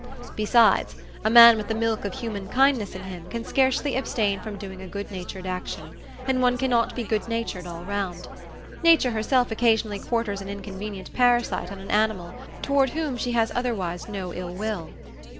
Besides, a man with the milk of human kindness in him can scarcely abstain from doing a good natured action, and one cannot be good natured all round. Nature herself occasionally quarters an inconvenient parasite on an animal toward whom she has otherwise no ill will.